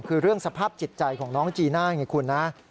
คือเรื่องสภาพจิตใจของน้องจีนหน้าอย่างนี้คุณนะ